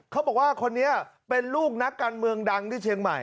เขาบอกว่าคนนี้เป็นลูกนักการเมืองดังที่เชียงใหม่